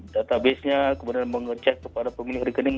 databasenya kemudian mengecek kepada pemilik rekening